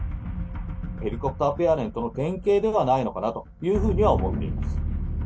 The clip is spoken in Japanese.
ヘリコプターペアレントの典型ではないのかなというふうには思っています。